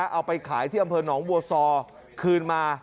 เอาไปขายที่อำเภอหนองบัวซอคืนมา